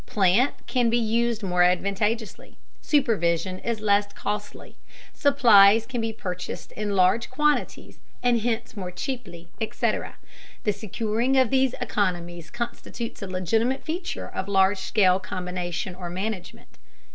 Plant can be used more advantageously, supervision is less costly, supplies can be purchased in large quantities and hence more cheaply, etc. The securing of these economies constitutes a legitimate feature of large scale combination or management.